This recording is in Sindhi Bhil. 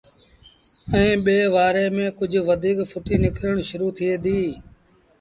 ائيٚݩ ٻي وآري ميݩ ڪجھ وڌيٚڪ ڦُٽيٚ نڪرڻ شرو ٿئي ديٚ